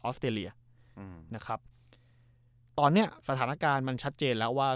สเตรเลียอืมนะครับตอนเนี้ยสถานการณ์มันชัดเจนแล้วว่า